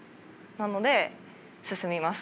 なので進みます。